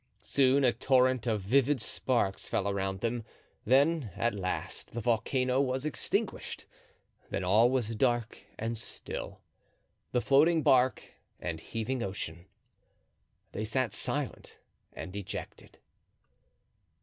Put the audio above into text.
Soon a torrent of vivid sparks fell around them—then, at last, the volcano was extinguished—then all was dark and still—the floating bark and heaving ocean. They sat silent and dejected.